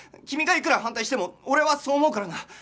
君がいくら反対しても俺はそう思うからな！